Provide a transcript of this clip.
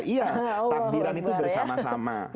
iya takbiran itu bersama sama